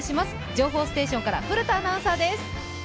情報ステーションから古田アナウンサーです。